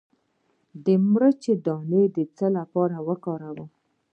د مرچ دانه د څه لپاره وکاروم؟